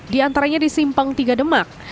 di antaranya di simpang tiga demak